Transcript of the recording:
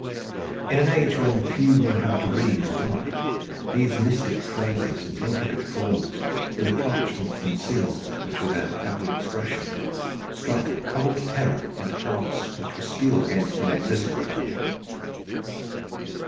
In an age when few knew how to read or to write, these mystic phrases and intricate forms, with the parchments and seals which were their outward expression, struck cold terror into hearts which were steeled against mere physical danger.